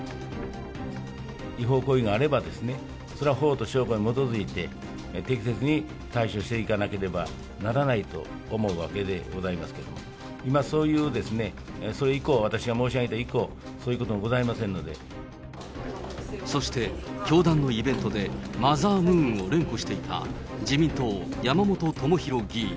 違法行為があればですね、それは法と証拠に基づいて、適切に対処していかなければならないと思うわけでございますけれども、今、そういう、それ以降、私が申し上げた以降、そして、教団のイベントでマザームーンを連呼していた自民党、山本朋広議員。